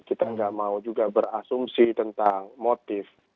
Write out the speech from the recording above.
kita nggak mau juga berasumsi tentang motif